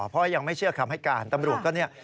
เพราะยังไม่เชื่อคำให้การตำรวจก็เนี่ย